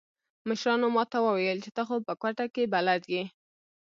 مشرانو ما ته وويل چې ته خو په کوټه کښې بلد يې.